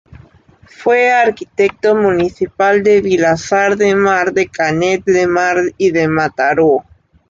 Fue arquitecto municipal de Vilasar de Mar, de Canet de Mar y de Mataró.